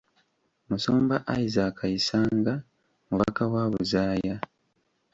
Musumba Isaac Isanga, mubaka wa Buzaaya.